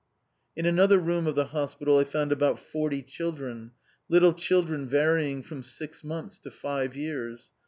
In another room of the hospital I found about forty children, little children varying from six months to five years.